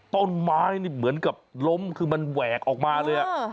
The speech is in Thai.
ต้นไม้นี่เหมือนกับล้มคือมันแหวกออกมาเลย